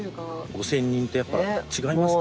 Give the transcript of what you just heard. ５０００人ってやっぱ違いますか？